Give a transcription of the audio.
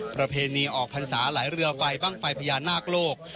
ประเพณีออกพรรษาไหลเรือไฟบ้างไฟพญานาคโลก